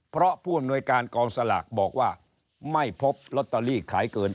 เพราะผู้อำนวยการกองสลากบอกว่าไม่พบลอตเตอรี่ขายเกิน